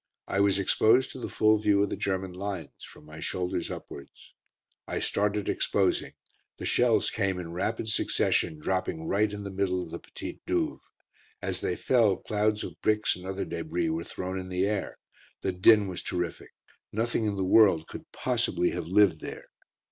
I was exposed to the full view of the German lines, from my shoulders upwards. I started exposing; the shells came in rapid succession, dropping right in the middle of the Petite Douve. As they fell clouds of bricks and other débris were thrown in the air; the din was terrific. Nothing in the world could possibly have lived there.